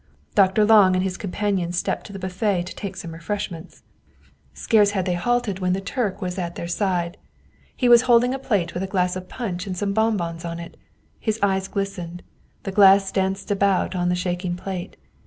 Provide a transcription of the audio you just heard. Dr. Lange and his companion stepped to the buffet to take some refreshments. Scarce had they halted when the 121 German Mystery Stories Turk was at their side. He was holding a plate with a glass of punch and some bonbons on it; his eyes glistened; the glass danced about on the shaking plate.